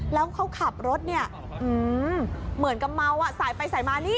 แล้วเขาขับรถเนี่ยเหมือนกับเมาอ่ะสายไปสายมานี่